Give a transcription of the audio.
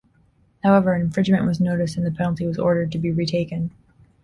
However, an infringement was noticed and the penalty was ordered to be re-taken.